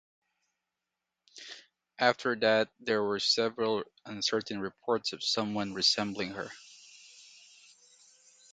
After that there were several uncertain reports of someone resembling her.